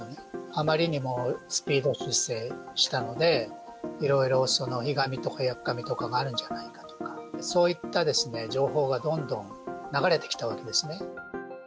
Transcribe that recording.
あまりにもスピード出世したので、いろいろひがみとかやっかみとかがあるんじゃないかとか、そういった情報がどんどん流れてきたわけですね。